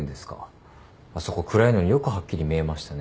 あそこ暗いのによくはっきり見えましたね。